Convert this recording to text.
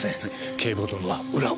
警部補殿は裏を。